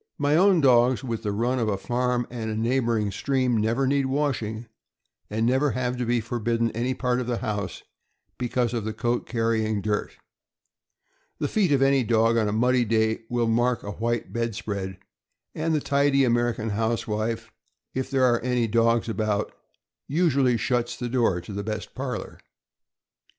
My own dogs, with the run of a farm and neighboring stream, never need washing, and never have to be forbidden any part of the house because of the coat carrying dirt. The feet of any dog on a muddy day will mark a white bed spread, and the tidy American housewife, if there are any dogs about, usually shuts the door to the best parlor.